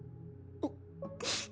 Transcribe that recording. あっ。